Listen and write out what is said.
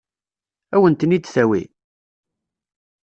Ad wen-ten-id-tawi?